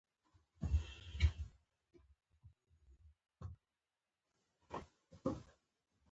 کتابونه د پوهې د لېږد غوره وسیله ده.